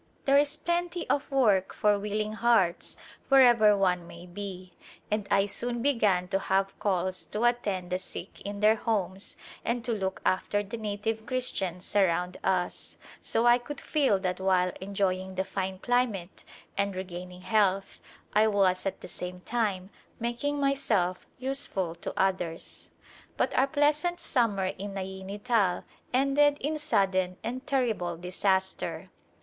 There is plenty of work for will ing hearts wherever one may be, and I soon began to have calls to attend the sick in their homes and to look after the native Christians around us, so I could feel that while enjoying the fine climate and regain ing health I was at the same time making myself use ful to others. But our pleasant summer in Naini Tal ended in sudden and terrible disaster.